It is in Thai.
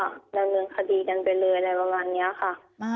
ดำเนินคดีกันไปเลยอะไรประมาณนี้ค่ะ